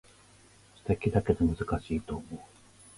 素敵だけど難しいと思う